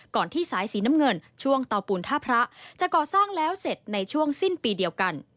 ที่สายสีน้ำเงินช่วงเตาปูนท่าพระจะก่อสร้างแล้วเสร็จในช่วงสิ้นปีเดียวกัน